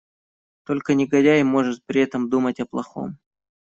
Только негодяй может при этом думать о плохом.